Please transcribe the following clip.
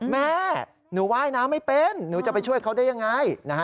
แม่หนูว่ายน้ำไม่เป็นหนูจะไปช่วยเขาได้ยังไง